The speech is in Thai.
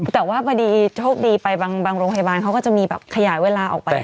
แต่ว่าพอดีโชคดีไปบางโรงพยาบาลเขาก็จะมีแบบขยายเวลาออกไป